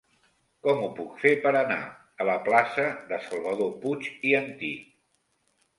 Com ho puc fer per anar a la plaça de Salvador Puig i Antich?